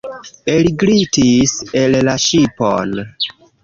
Elglitis el la ŝipon.